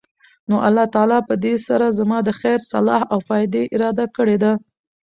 نو الله تعالی پدي سره زما د خير، صلاح او فائدي اراده کړي ده